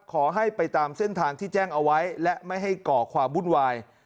ขอให้ไปตามเส้นทางที่แจ้งเอาไว้และไม่ให้ก่อความวุ่นวาย